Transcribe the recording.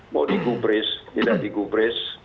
mau digubris tidak digubris